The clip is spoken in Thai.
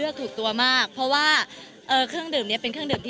ร้อนเพราะการแต่งตัวด้วย